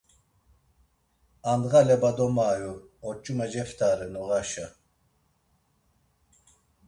Andğa leba domayu, oçume ceftare noğaşa.